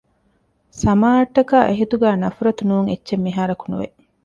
ސަމާއަށްޓަކައި އެހިތުގައި ނަފުރަތު ނޫން އެއްޗެއް މިހާރަކު ނުވެ